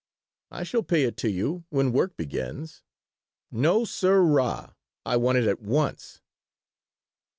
"I shall pay it to you when work begins." "No, sirrah. I want it at once."